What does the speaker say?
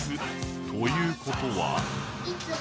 ［ということは］